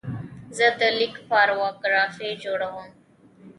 زه د لیک پاراګرافونه جوړوم.